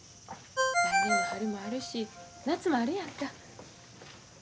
来年の春もあるし夏もあるやんか。